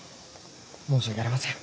申し訳ありません。